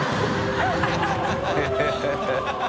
ハハハ